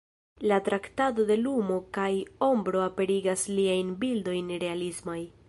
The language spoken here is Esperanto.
La traktado de lumo kaj ombro aperigas liajn bildojn realismaj.